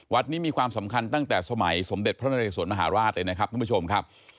นี้มีความสำคัญตั้งแต่สมัยสมเด็จพระนเรสวนมหาราชเลยนะครับท่านผู้ชมครับ